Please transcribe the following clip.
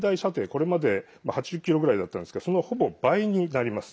これまで８０ｋｍぐらいだったんですがそのほぼ倍になります。